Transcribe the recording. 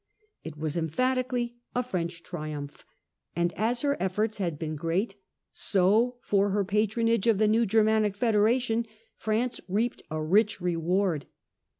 It was emphatically a French triumph ; and as her efforts had been great, so, for her patronage of the new Germanic federation, France reaped a rich reward.